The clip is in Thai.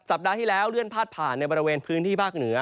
ปัดที่แล้วเลื่อนพาดผ่านในบริเวณพื้นที่ภาคเหนือ